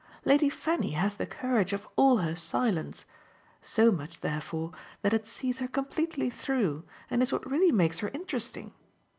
Lady Fanny has the courage of all her silence so much therefore that it sees her completely through and is what really makes her interesting.